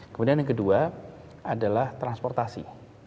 kemudian yang kedua adalah transportasi